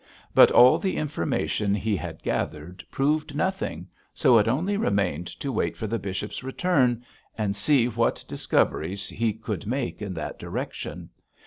But all the information he had gathered proved nothing, so it only remained to wait for the bishop's return and see what discoveries he could make in that direction.